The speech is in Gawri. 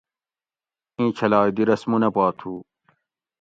ایں چھلائ دی رسمونہ پا تھو